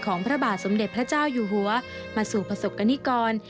พระบาทสมเด็จพระเจ้าอยู่หัวมาสู่ประสบกรณิกร